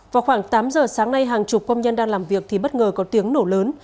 vào khoảng tám giờ sáng nay hàng chục công nhân đang làm việc thì bất ngờ có tiếng nổ lớn